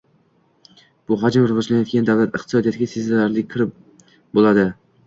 bu ham rivojlanayotgan davlat iqtisodiyotiga sezilarli kirim bo‘ladi